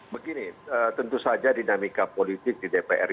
begini tentu saja dinamika politik di dpr ini